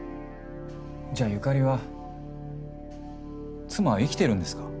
じゃあ由香里は妻は生きてるんですか？